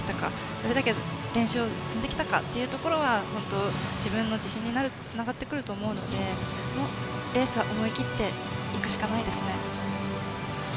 どれだけ練習を積んできたかが本当に自分の自信につながってくると思うのでレースは思い切って行くしかないですね。